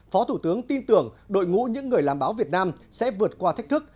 phó thủ tướng tin tưởng đội ngũ những người làm báo việt nam sẽ vượt qua thách thức